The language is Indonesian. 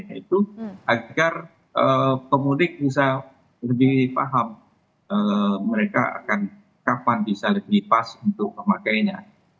yaitu agar pemudik bisa lebih paham mereka akan kapan bisa lebih pas untuk memakainya